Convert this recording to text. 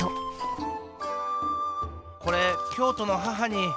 これ京都の母に。